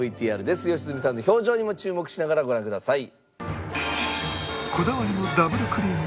良純さんの表情にも注目しながらご覧ください。